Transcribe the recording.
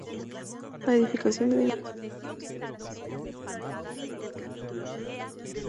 La edificación, de dimensiones reducidas, consta de planta baja y una altura.